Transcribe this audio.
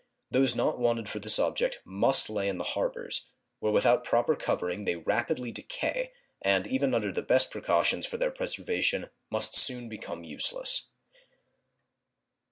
Those not wanted for this object must lay in the harbors, where without proper covering they rapidly decay, and even under the best precautions for their preservation must soon become useless.